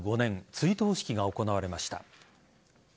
追悼式が行われました。